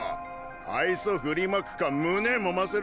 愛想振りまくか胸もませるか